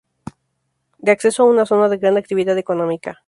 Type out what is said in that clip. Da acceso a una zona de gran actividad económica.